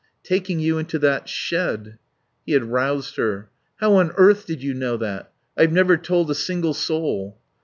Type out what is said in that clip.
"Taking you into that shed " He had roused her. "How on earth did you know that? I've never told a single soul."